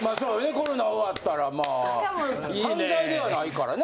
コロナ終わったらまあ犯罪ではないからな。